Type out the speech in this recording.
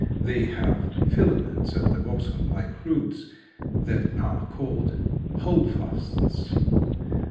They have filaments at the bottom, like roots, that are called "holdfasts."